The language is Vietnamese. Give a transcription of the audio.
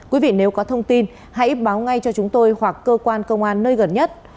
quý vị nếu có thông tin hãy báo ngay cho chúng tôi hoặc cơ quan công an nơi gần nhất